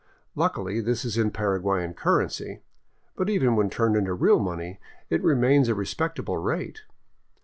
Luckily, this is in Paraguayan cur rency ; but even when turned into real money, it remains a respectable rate.